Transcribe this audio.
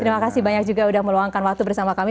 terima kasih banyak juga sudah meluangkan waktu bersama kami